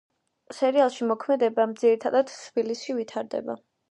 სერიალში მოქმედება ძირითადად თბილისში ვითარდება.